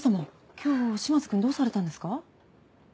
今日島津君どうされたんですか？